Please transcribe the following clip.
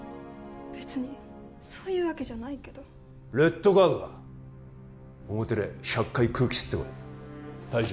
別にそういうわけじゃないけどレッドカードだ表で１００回空気吸ってこい退場！